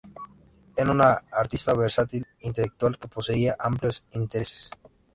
Era un artista versátil e intelectual, que poseía amplios intereses.